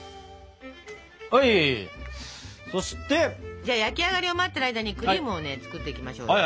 じゃあ焼き上がりを待ってる間にクリームをね作っていきましょう。